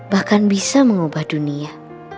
bahkan bisa mengubah dunia